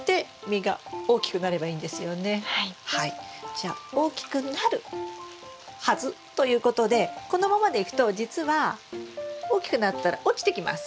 じゃあ大きくなるはずということでこのままでいくとじつは大きくなったら落ちてきます。